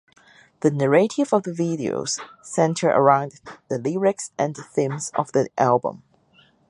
The narrative of the videos center around the lyrics and themes of the album.